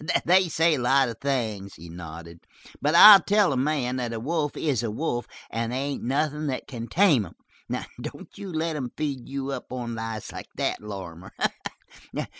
"They say a lot of things," he nodded, "but I'll tell a man that a wolf is a wolf and they ain't nothin' that can tame 'em. Don't you let 'em feed you up on lies like that, Lorrimer.